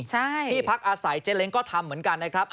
ใช่ที่พักอาศัยเจ๊เล้งก็ทำเหมือนกันนะครับ